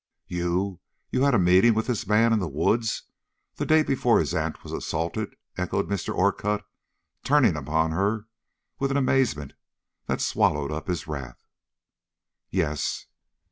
"You you had a meeting with this man in the woods the day before his aunt was assaulted," echoed Mr. Orcutt, turning upon her with an amazement that swallowed up his wrath. "Yes."